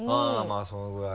まぁそのぐらい。